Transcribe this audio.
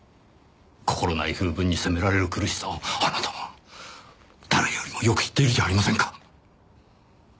心ない風聞に責められる苦しさをあなたは誰よりもよく知っているじゃありませんか。